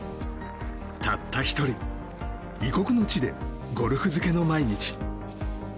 たった１人異国の地でゴルフ漬けの毎日。